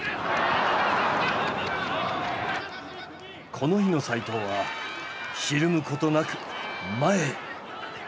この日の齋藤はひるむことなく前へ。